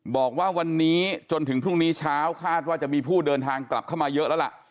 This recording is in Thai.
บอกว่าวันนี้จนถึงพรุ่งนี้เช้าคาดว่าจะมีผู้เดินทางกลับเข้ามาเยอะแล้วล่ะ